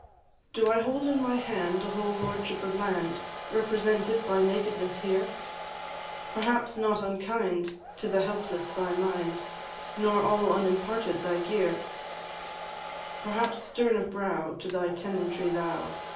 Do I hold in my hand a whole lordship of land, Represented by nakedness, here? Perhaps not unkind to the helpless thy mind, Nor all unimparted thy gear; Perhaps stern of brow to thy tenantry thou!